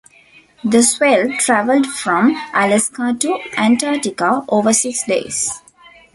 The swell travelled from Alaska to Antarctica over six days.